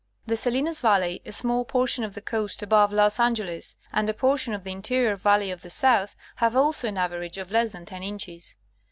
The Salinas valley, a small portion of the coast above Los Angeles, and a portion of the interior valley of the south, have also an average of less than 10 inches.